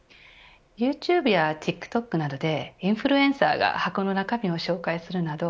ユーチューブやＴｉｋＴｏｋなどでインフルエンサーが箱の中身を紹介するなど